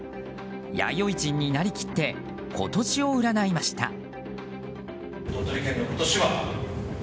弥生人になりきって今年を占いました。